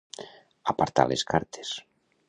Apartar les cartes.